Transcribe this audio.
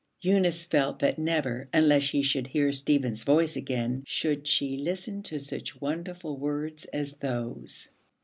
Eunice felt that never, unless she should hear Stephen's voice again, should she listen to such wonderful words as those.